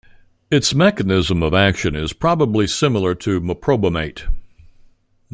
Its mechanism of action is probably similar to meprobamate.